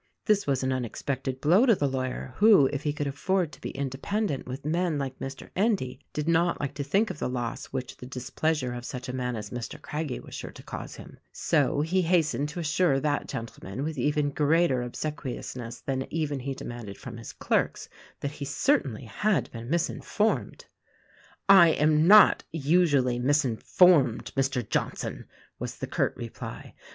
This was an unexpected blow to the lawyer, who, if he could afford to be independent with men like Mr. Endy, did not like to think of the loss which the displeasure of such a man as Mr. Craggie was sure to cause him. So he hastened to assure that gentleman — with even greater obsequiousness than even he demanded from his clerks — that he certainly had been misinformed. "I am not usually misinformed, Mr. Johnson!" was the curt reply. "Mr.